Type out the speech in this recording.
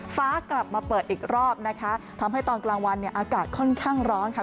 กลับมาเปิดอีกรอบนะคะทำให้ตอนกลางวันเนี่ยอากาศค่อนข้างร้อนค่ะ